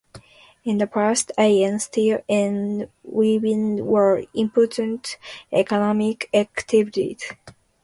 In the past, iron, steel, and weaving were important economic activities.